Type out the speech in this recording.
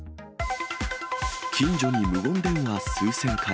近所に無言電話数千回。